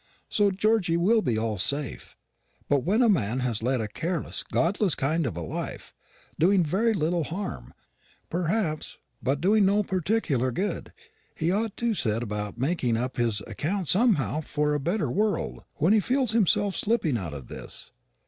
So Georgy will be all safe. But when a man has led a careless, godless kind of a life, doing very little harm, perhaps, but doing no particular good, he ought to set about making up his account somehow for a better world, when he feels himself slipping out of this.